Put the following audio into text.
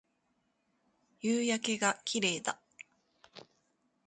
夕焼けが綺麗だ